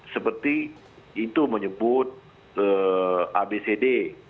seperti itu menyebut abcd